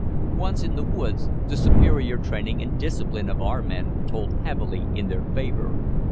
Once in the woods, the superior training and discipline of our men told heavily in their favour.